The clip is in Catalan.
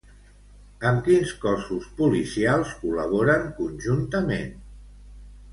Amb quins cossos policials col·laboren conjuntament?